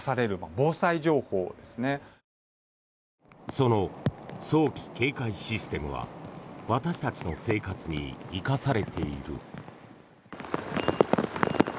その早期警戒システムは私たちの生活に生かされている。